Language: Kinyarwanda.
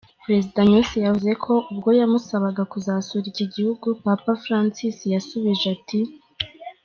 Perezida Nyusi yavuze ko ubwo yamusabaga kuzasura iki gihugu, Papa Francis yasubije ati:.